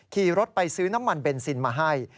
ขี่รถไปซื้อน้ำมันเบนซินมาให้